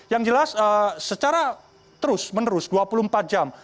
yang jelas secara terus menerus dua puluh empat jam